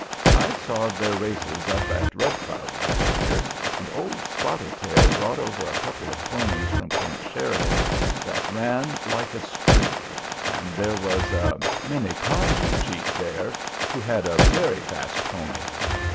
I saw their races up at Red Cloud last year, and old Spotted Tail brought over a couple of ponies from Camp Sheridan that ran like a streak, and there was a Minneconjou chief there who had a very fast pony.